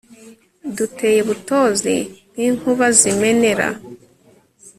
duteye butozi ,nk,inkubazimenera